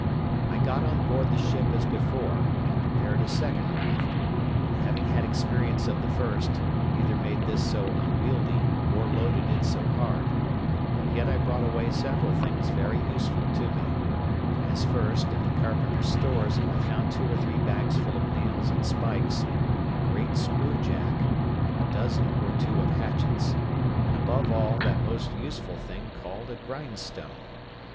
I got on board the ship as before, and prepared a second raft; and, having had experience of the first, I neither made this so unwieldy, nor loaded it so hard, but yet I brought away several things very useful to me; as first, in the carpenters stores I found two or three bags full of nails and spikes, a great screw jack, a dozen or two of hatchets, and, above all, that most useful thing called a grindstone.